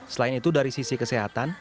selain itu dari sisi kesehatan